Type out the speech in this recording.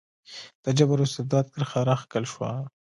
د جبر او استبداد کرښه راښکل شوه.